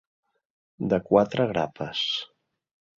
De quatre grapes.